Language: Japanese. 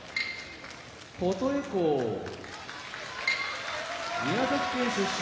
琴恵光宮崎県出身